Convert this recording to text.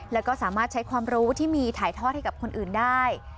แล้วก็สามารถใช้ความรู้ที่มีถ่ายทอดให้กับคนอื่นได้